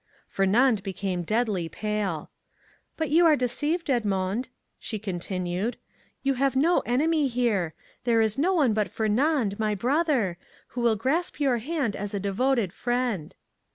Fernand became deadly pale. "But you are deceived, Edmond," she continued. "You have no enemy here—there is no one but Fernand, my brother, who will grasp your hand as a devoted friend."